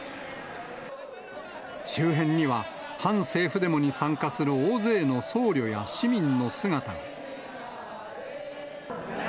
周辺には反政府デモに参加する大勢の僧侶や市民の姿が。